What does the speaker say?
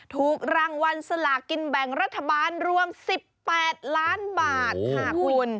ถูกรางวัลสลากินแบ่งรัฐบาลรวม๑๘ล้านบาทค่ะคุณ